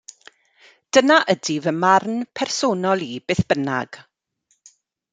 Dyna ydy fy marn personol i beth bynnag.